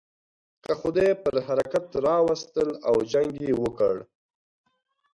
که خدای پر حرکت را وستل او جنګ یې وکړ.